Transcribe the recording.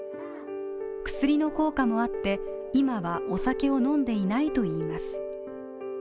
薬の効果もあって今はお酒を飲んでいないといいます。